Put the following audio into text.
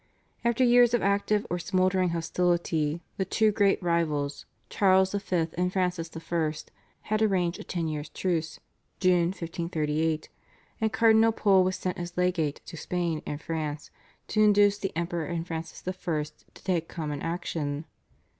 After years of active or smouldering hostility the two great rivals Charles V. and Francis I. had arranged a ten years truce (June 1538), and Cardinal Pole was sent as legate to Spain and France to induce the Emperor and Francis I. to take common action.